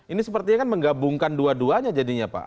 ini sepertinya kan menggabungkan dua duanya jadinya pak